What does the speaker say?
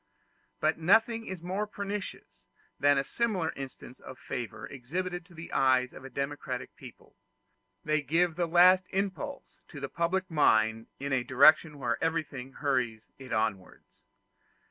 But nothing is more pernicious than similar instances of favor exhibited to the eyes of a democratic people: they give the last impulse to the public mind in a direction where everything hurries it onwards.